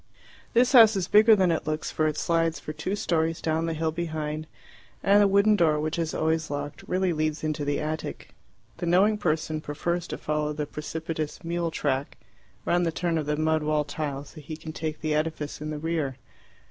This house is bigger than it looks, for it slides for two storeys down the hill behind, and the wooden door, which is always locked, really leads into the attic. The knowing person prefers to follow the precipitous mule track round the turn of the mud wall till he can take the edifice in the rear.